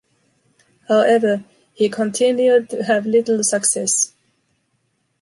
However, he continued to have little success.